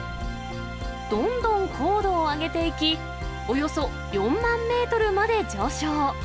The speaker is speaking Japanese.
どんどん高度を上げていき、およそ４万メートルまで上昇。